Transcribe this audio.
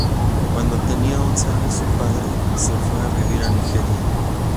Cuando tenía once años su padre se fue a vivir a Nigeria.